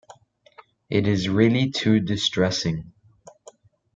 It is really too distressing.